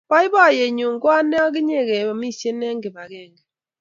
Boiboiyenyu ko ane ak inye keamisie eng kipakenge